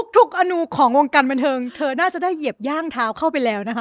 อนูของวงการบันเทิงเธอน่าจะได้เหยียบย่างเท้าเข้าไปแล้วนะคะ